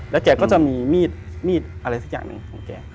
แล้วแกก็จะมีมีดอะไรสักอย่างหนึ่งของแก